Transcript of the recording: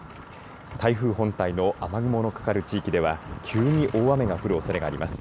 台風本体の雨雲のかかる地域では急に大雨が降るおそれがあります。